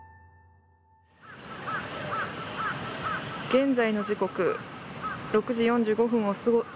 現在の時刻６時４５分をすご。